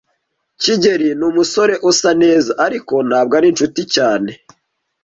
kigeli numusore usa neza, ariko ntabwo ari inshuti cyane.